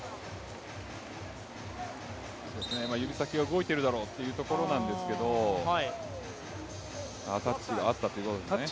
指先が動いているだろうというところなんですけどタッチがあったということで。